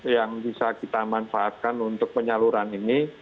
yang bisa kita manfaatkan untuk penyaluran ini